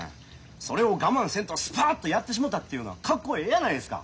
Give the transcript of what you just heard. それを我慢せんとスパッとやってしもうたっていうのはカッコええやないですか。